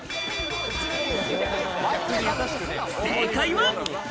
正解は。